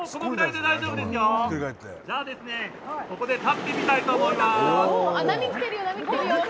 じゃあ、ここで立ってみたいと思います。